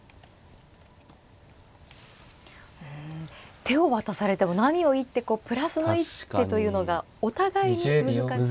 うん手を渡されても何を一手こうプラスの一手というのがお互いに難しいような。